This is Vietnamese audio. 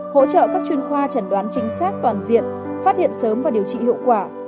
hỗ trợ các chuyên khoa chẩn đoán chính xác toàn diện phát hiện sớm và điều trị hiệu quả